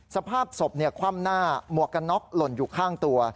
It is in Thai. สภาพศพคว่ำหน้าหมวกกันน็อกหล่นอยู่ข้างตัว